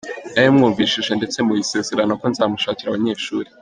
narabimwumvishije ndetse muha isezerano ko nzamushakira abanyeshuri.